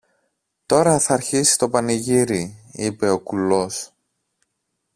Τώρα θ' αρχίσει το πανηγύρι, είπε ο κουλός.